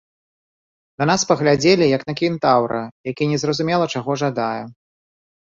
На нас паглядзелі як на кентаўра, які не зразумела чаго жадае.